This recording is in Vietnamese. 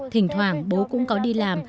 thỉnh thoảng bố cũng có đi làm